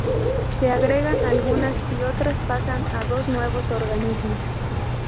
Se agregan algunas y otras pasan a dos nuevos organismos.